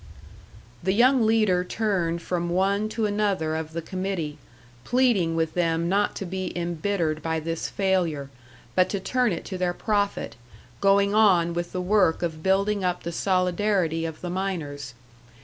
The young leader turned from one to another of the committee, pleading with them not to be embittered by this failure, but to turn it to their profit, going on with the work of building up the solidarity of the miners.